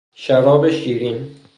شراب شیرین